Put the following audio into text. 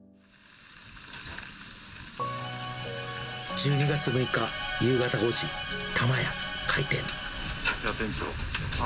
１２月６日夕方５時、玉や、開店。